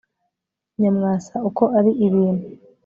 Nyamwasa uko ari ibintu